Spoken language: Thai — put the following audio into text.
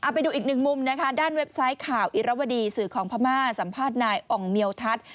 ไปดูอีกหนึ่งมุมนะคะด้านเว็บไซต์ข่าวอิรวดีสื่อของพม่าสัมภาษณ์นายอ่องเมียวทัศน์